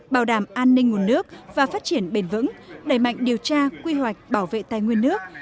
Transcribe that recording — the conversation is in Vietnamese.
bảo đảm an ninh nguồn nước và phát triển bền vững đẩy mạnh điều tra quy hoạch bảo vệ tài nguyên nước